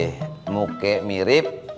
eh muka mirip